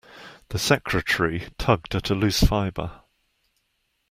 The secretary tugged at a loose fibre.